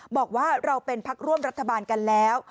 บอกว่าเราเป็นพักร่วมรัฐบาลกันแล้ว